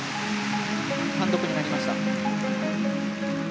単独になりました。